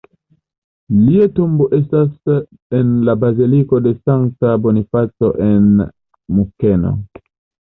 Lia tombo estas en la baziliko de S-ta Bonifaco en Munkeno.